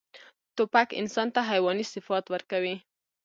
توپک انسان ته حیواني صفات ورکوي.